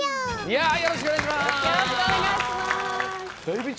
いやよろしくおねがいします！